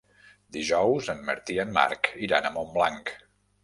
Dijous en Martí i en Marc iran a Montblanc.